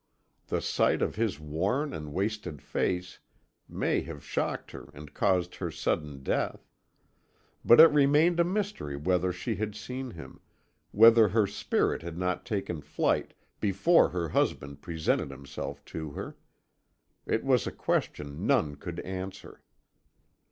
The sight of his worn and wasted face may have shocked her and caused her sudden death. But it remained a mystery whether she had seen him whether her spirit had not taken flight before her husband presented himself to her. It was a question none could answer.